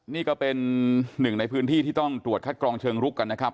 นี่ก็เป็นหนึ่งในพื้นที่ที่ต้องตรวจคัดกรองเชิงลุกกันนะครับ